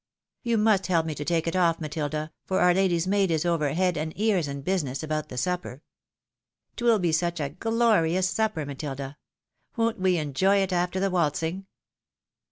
You must help me to take it off, Matilda, for our lady's maid is over head and ears in business about the supper. 'Twill be such a glorious supper, MatUda ! won't we enjoy it after the waltzing